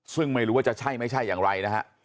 ซึ่งไม่รู้ว่าจะใช่ไม่ใช่อย่างไรนะฮะ